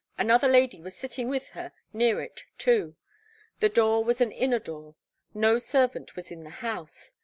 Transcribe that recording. Another lady was sitting with her near it too. The door was an inner door. No servant was in the house.